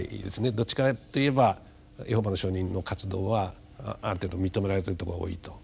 どっちかといえばエホバの証人の活動はある程度認められてるところが多いと。